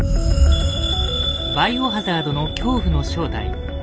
「バイオハザード」の恐怖の正体。